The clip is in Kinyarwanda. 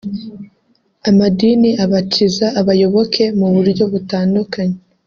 Amadini abatiza abayoboke mu buryo butandukanye